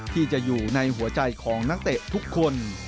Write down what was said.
ที่จะอยู่ในหัวใจของนักเตะทุกคน